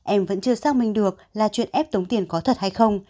em vẫn chưa xác minh được là chuyện ép tống tiền có thật hay không